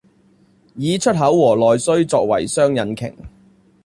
以出口和內需作為雙引擎